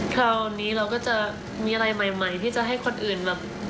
คราวนี้เราก็จะมีอะไรใหม่ที่จะให้คนอื่นแบบ